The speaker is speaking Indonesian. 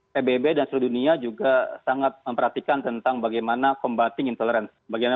pbb dan seluruh dunia juga sangat memperhatikan tentang bagaimana combating intoleransi bagaimana